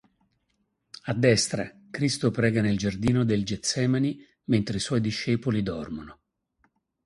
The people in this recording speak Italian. A destra, Cristo prega nel giardino del Getsemani, mentre i suoi discepoli dormono.